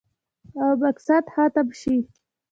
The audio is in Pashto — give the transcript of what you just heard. او مقصد ختم شي